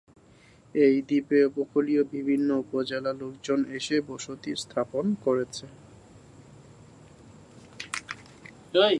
এ দ্বীপে উপকুলীয় বিভিন্ন উপজেলা লোকজন এসে বসতি স্থাপন করছে।